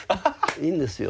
いいんですよ。